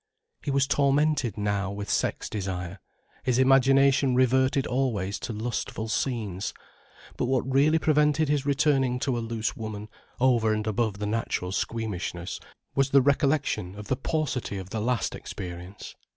He was tormented now with sex desire, his imagination reverted always to lustful scenes. But what really prevented his returning to a loose woman, over and above the natural squeamishness, was the recollection of the paucity of the last experience.